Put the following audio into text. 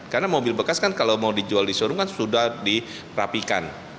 karena mobil bekas kan kalau mau dijual di showroom kan sudah dirapikan